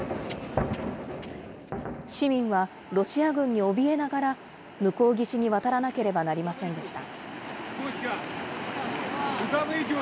市民はロシア軍におびえながら、向こう岸に渡らなければなりませんでした。